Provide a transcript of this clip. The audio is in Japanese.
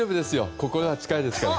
心は近いですから！